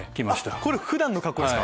これ普段の格好ですか？